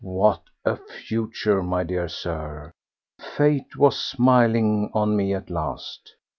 What a future, my dear Sir! Fate was smiling on me at last.